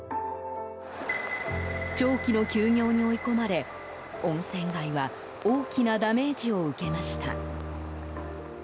長期の休業に追い込まれ温泉街は大きなダメージを受けました。